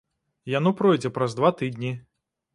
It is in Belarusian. Яно пройдзе праз два тыдні.